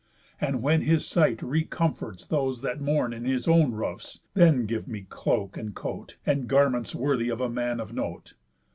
And when his sight recomforts those that mourn In his own roofs, then give me cloak, and coat, And garments worthy of a man of note.